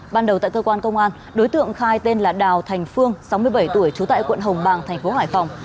ban đầu tại cơ quan công an đối tượng khai tên là đào thành phương sáu mươi bảy tuổi trú tại quận hồng bàng tp hoài phòng